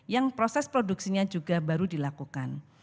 yang proses produksinya juga baru dilakukan